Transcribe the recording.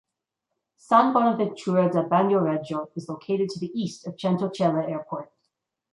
San Bonaventura da Bagnoregio is located to the east of Centocelle Airport.